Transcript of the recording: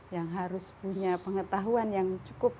yang harus punya pengetahuan yang cukup